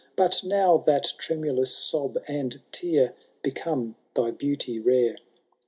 But now that tremulous sob and tear Become thy beauty rare.